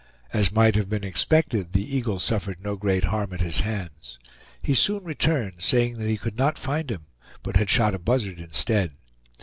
As might have been expected, the eagle suffered no great harm at his hands. He soon returned, saying that he could not find him, but had shot a buzzard instead.